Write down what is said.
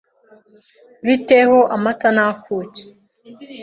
Bite ho amata na kuki?